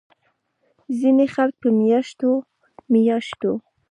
ځينې خلک پۀ مياشتو مياشتو